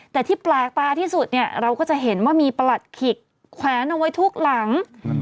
แต่ที่แปลกตาที่สุดเนี่ยเราก็จะเห็นว่ามีประหลัดขิกแขวนเอาไว้ทุกหลัง